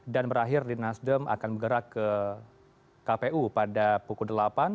berakhir di nasdem akan bergerak ke kpu pada pukul delapan